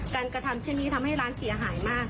กระทำเช่นนี้ทำให้ร้านเสียหายมาก